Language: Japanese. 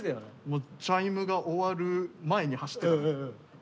もうチャイムが終わる前に走ってた。